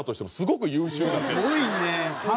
すごいね！